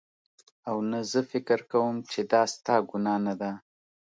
او نه زه فکر کوم چې دا ستا ګناه نده